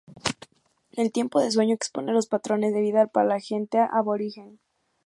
El tiempo de sueño expone los patrones de vida para la gente aborigen.